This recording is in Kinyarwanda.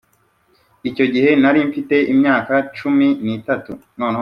Icyo gihe nari mfite imyaka cumi nitatu.